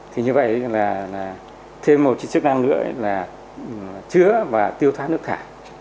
thì như vậy là thêm một cái chức năng nữa là chứa và tiêu thoát nước thải